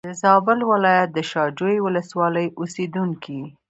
د زابل ولایت د شا جوی ولسوالۍ اوسېدونکی.